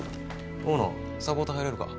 大野サポート入れるか。